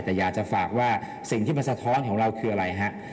แต่อยากจะฝากว่าสิ่งที่มันสะท้อนของเราคืออะไรฮะ